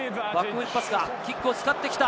キックを使ってきた。